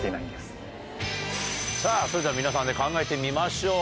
さあ、それでは皆さんで考えてみましょう。